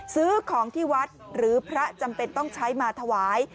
ซื้อของที่วัดหรือพระจำเป็นต้องใช้มาถวาย